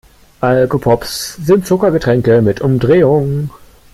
Alkopops sind Zuckergetränke mit Umdrehung.